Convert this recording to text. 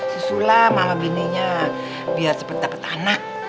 susu lam sama bininya biar cepet dapet anak